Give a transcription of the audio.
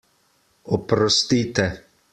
Oprostite!